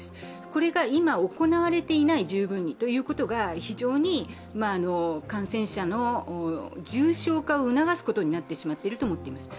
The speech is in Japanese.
これが今十分に行われていないということが非常に感染者の重症化を促すことになってしまっていると思います。